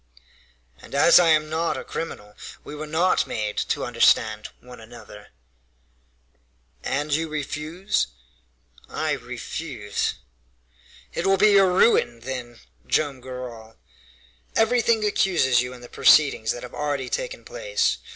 "And as I am not a criminal we were not made to understand one another." "And your refuse?" "I refuse." "It will be your ruin, then, Joam Garral. Everything accuses you in the proceedings that have already taken place.